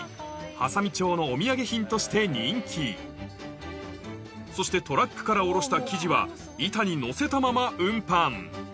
波佐見町のお土産品として人気そしてトラックから降ろした生地は板に載せたまま運搬